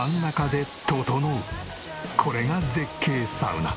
これが絶景サウナ。